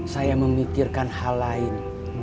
saya memikirkan hal lain